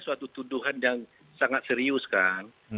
suatu tuduhan yang sangat serius kan